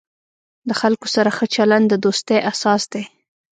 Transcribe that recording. د خلکو سره ښه چلند، د دوستۍ اساس دی.